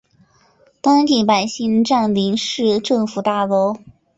当地百姓占领市政府大楼。